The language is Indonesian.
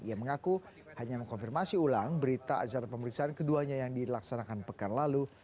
ia mengaku hanya mengkonfirmasi ulang berita acara pemeriksaan keduanya yang dilaksanakan pekan lalu